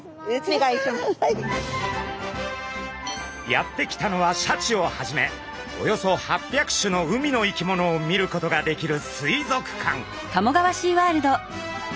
やって来たのはシャチをはじめおよそ８００種の海の生き物を見ることができる水族館。